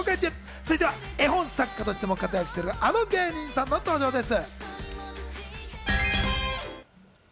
続いては絵本作家としても活躍している、あの芸人さんの登場です。